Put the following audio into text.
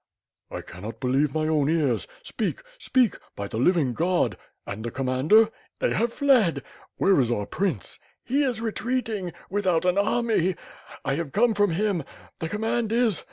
"I cannot believe my own ears. Speak, speak! By the Living God. ... and the Commander?" "They have fled." "Where is oux prince." "He is retreating ... without an army ... I have come from him ... the command is